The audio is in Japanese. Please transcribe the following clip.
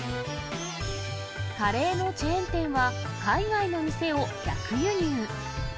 カレーのチェーン店は海外の店を逆輸入。